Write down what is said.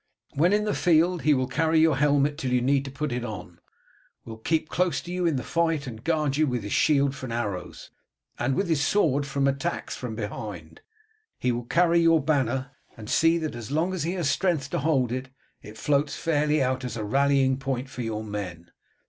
When in the field he will carry your helmet till you need to put it on; will keep close to you in the fight and guard you with his shield from arrows, and with his sword from attacks from behind; he will carry your banner, and see that as long as he has strength to hold it, it floats fairly out as a rallying point for your men.